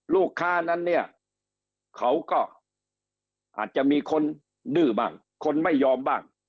ลูกค้านั้นเนี่ยเขาก็อาจจะมีคนดื้อบ้างคนไม่ยอมบ้าง